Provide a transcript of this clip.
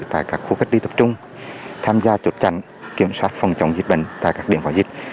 tại các khu vết đi tập trung tham gia trụ trạng kiểm soát phòng chống dịch bệnh tại các địa phòng dịch